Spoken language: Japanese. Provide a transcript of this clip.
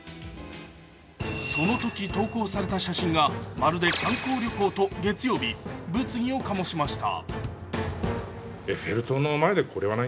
そのとき投稿された写真がまるで観光旅行と月曜日物議を醸しました。